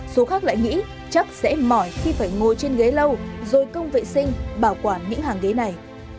số khác lại nghĩ chắc sẽ mỏi khi phải ngồi trên ghế lâu rồi công vệ sinh bảo quản những hàng ghế này